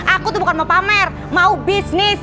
aku tuh bukan mau pamer mau bisnis